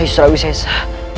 rai surawi cesa